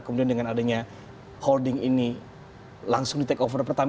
kemudian dengan adanya holding ini langsung di take over